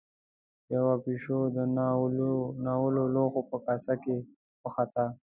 يوه پيشو د ناولو لوښو په کاسه کې وخته.